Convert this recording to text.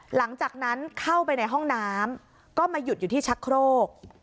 หลังจากนั้นเข้าไปในห้องน้ำก็มาหยุดอยู่ที่ชักโครก